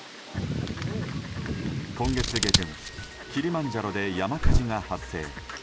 今月下旬キリマンジャロで山火事が発生。